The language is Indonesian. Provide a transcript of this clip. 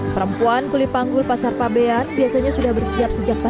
perempuan kulipanggul pasar pabean biasanya sudah bersiap sejak pagi